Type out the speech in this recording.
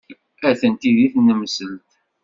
Atenti deg tnemselt.